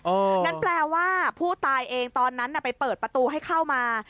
งั้นแปลว่าผู้ตายเองตอนนั้นไปเปิดประตูให้เข้ามา